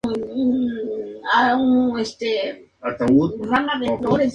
De su país natal trajo un saco de tierra que puso en su patio.